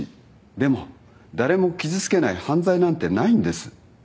でも誰も傷つけない犯罪なんてないんです。